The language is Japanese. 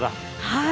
はい。